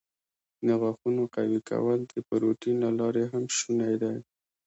د غاښونو قوي کول د پروټین له لارې هم شونی دی.